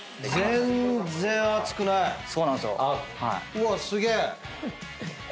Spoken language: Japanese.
うわっすげえ！